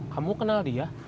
kamu kenal dia